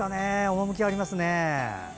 趣ありますね。